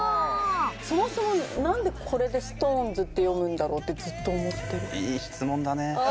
そもそもなんでこれでストーンズって読むんだろうってずっと思ってる。